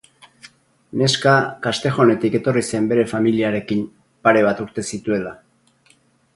Neska castejonetik etorri zen bere familiarekin, pare bat urte zituela.